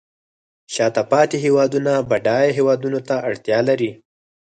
شاته پاتې هیوادونه بډایه هیوادونو ته اړتیا لري